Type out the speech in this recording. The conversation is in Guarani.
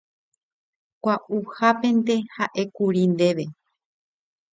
Gua'uhápente ha'ékuri ndéve.